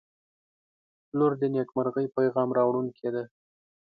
• لور د نیکمرغۍ پیغام راوړونکې ده.